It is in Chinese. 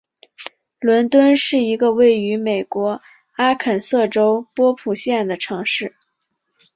伦敦是一个位于美国阿肯色州波普县的城市。